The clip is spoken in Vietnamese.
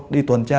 đi tuần tra